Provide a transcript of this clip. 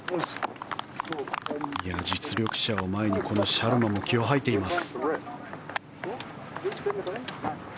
実力者を前にこのシャルマも気を吐いています。